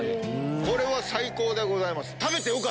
これは最高でございます。